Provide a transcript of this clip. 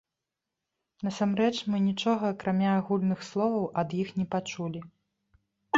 Насамрэч, мы нічога, акрамя агульных словаў, ад іх не пачулі.